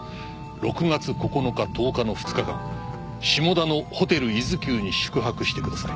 「６月９日・１０日の２日間下田のホテル伊豆急に宿泊してください」